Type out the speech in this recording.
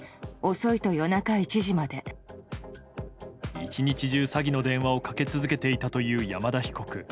１日中、詐欺の電話をかけ続けていたという山田被告。